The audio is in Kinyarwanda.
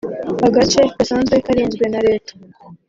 agace gasanzwe karinzwe na Leta